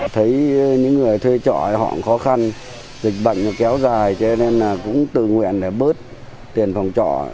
thấy những người thuê trọ họ khó khăn dịch bệnh kéo dài cho nên là cũng tự nguyện để bớt tiền phòng trọ